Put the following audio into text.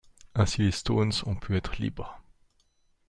Ainsi les Stones ont pu être libre.